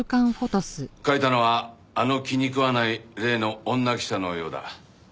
書いたのはあの気に食わない例の女記者のようだ。